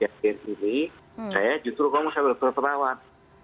saya jutur ngomong sama dokter terawan